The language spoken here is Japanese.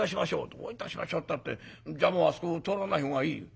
「どういたしましょうったってじゃああそこ通らないほうがいいよ」。